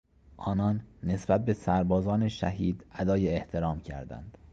آنان نسبت به سربازان شهید ادای احترام کردند.